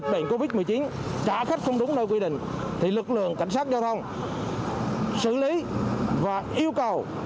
bệnh covid một mươi chín trả khách không đúng nơi quy định thì lực lượng cảnh sát giao thông xử lý và yêu cầu